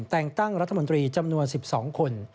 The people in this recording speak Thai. แต่งตั้งรัฐมนตรีจำนวน๑๒คน